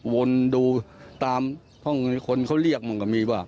วนดูตามคนเขาเรียกมึงกับมีว่า